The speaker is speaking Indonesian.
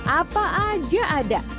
apa aja ada